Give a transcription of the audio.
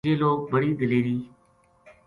یہ لوک بڑی دلیری